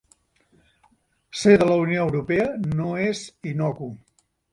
Ser de la Unió Europea no és innocu.